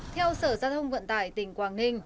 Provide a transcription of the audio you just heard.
theo sở gia thông vận tải tỉnh quảng ninh